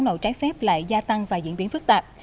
nổ trái phép lại gia tăng và diễn biến phức tạp